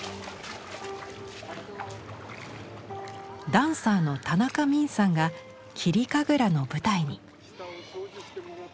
ダンサーの田中泯さんが「霧神楽」の舞台に。